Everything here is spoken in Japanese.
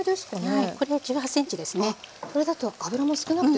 はい。